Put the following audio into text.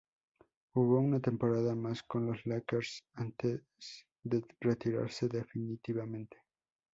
Jugó una temporada más con los Lakers, antes de retirarse definitivamente.